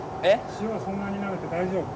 塩をそんなになめて大丈夫？